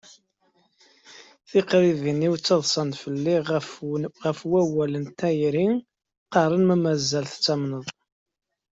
Tiqribin-iw ttaḍṣant felli ɣef wawal n tayri qqarent ma mazal tettamneḍ.